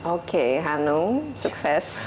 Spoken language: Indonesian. oke hanung sukses